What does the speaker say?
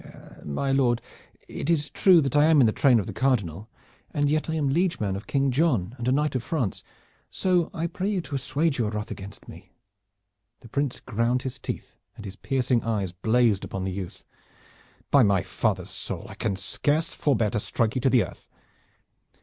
"My lord, it is true that I am in the train of the Cardinal, and yet I am liege man of King John and a knight of France, so I pray you to assuage your wrath against me." The Prince ground his teeth and his piercing eyes blazed upon the youth. "By my father's soul! I can scarce forbear to strike you to the earth!